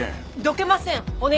どけません。